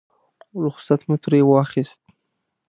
رخصت مو ترې واخیست.